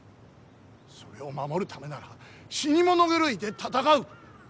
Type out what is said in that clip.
それを守るためなら死に物狂いで戦う。